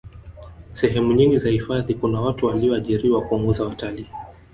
sehemu nyingi za hifadhi kuna watu waliyoajiriwa kuongoza watalkii